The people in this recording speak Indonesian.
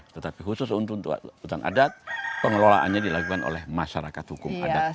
tetapi khusus untuk hutan adat pengelolaannya dilakukan oleh masyarakat hukum adat